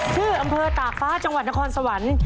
ชื่ออำเภอตากฟ้าจังหวัดนครสวรรค์